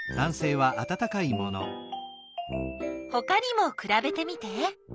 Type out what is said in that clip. ほかにもくらべてみて。